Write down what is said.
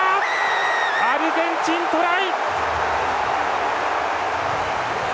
アルゼンチン、トライ！